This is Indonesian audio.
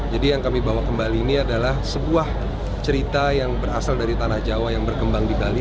jadi yang kami bawa ke bali ini adalah sebuah cerita yang berasal dari tanah jawa yang berkembang di bali